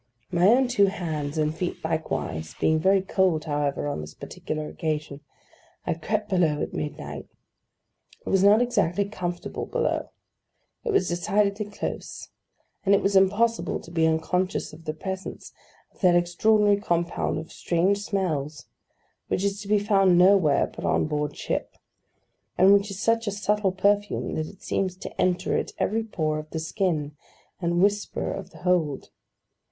My own two hands, and feet likewise, being very cold, however, on this particular occasion, I crept below at midnight. It was not exactly comfortable below. It was decidedly close; and it was impossible to be unconscious of the presence of that extraordinary compound of strange smells, which is to be found nowhere but on board ship, and which is such a subtle perfume that it seems to enter at every pore of the skin, and whisper of the hold.